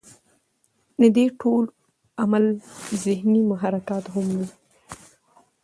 د دې ټول عمل ذهني محرکات هم وي